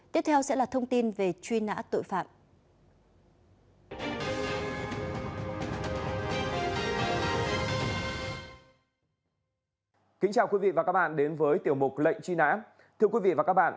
tiếp theo sẽ là thông tin về truy nã tội phạm